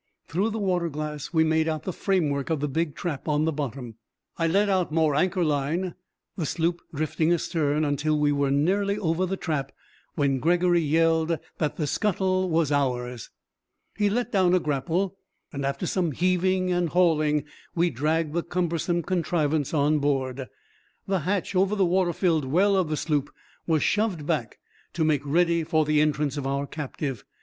Through the water glass we made out the framework of the big trap on the bottom. I let out more anchor line, the sloop drifting astern until we were nearly over the trap, when Gregory yelled that the scuttle was ours. He let down a grapple, and after some heaving and hauling we dragged the cumbersome contrivance on board. The hatch over the water filled well of the sloop was shoved back to make ready for the entrance of our captive.